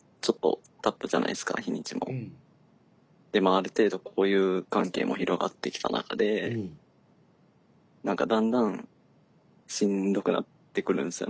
ある程度交友関係も広がってきた中で何かだんだんしんどくなってくるんですよね。